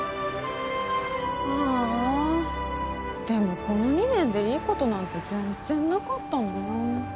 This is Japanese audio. でもこの２年でいいことなんて全然なかったな。